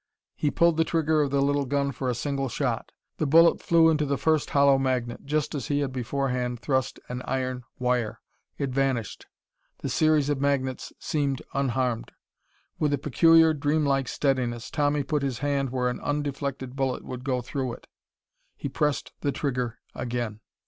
He pulled the trigger of the little gun for a single shot. The bullet flew into the first hollow magnet, just as he had beforehand thrust an iron wire. It vanished. The series of magnets seemed unharmed. With a peculiar, dreamlike steadiness, Tommy put his hand where an undeflected bullet would go through it. He pressed the trigger again.